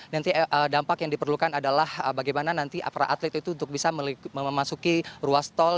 nanti dampak yang diperlukan adalah bagaimana nanti para atlet itu untuk bisa memasuki ruas tol